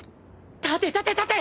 立て立て立て！